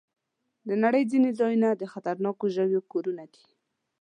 د نړۍ ځینې ځایونه د خطرناکو څارويو کورونه دي.